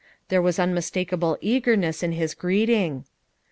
There was unmis takable eagerness in his greeting.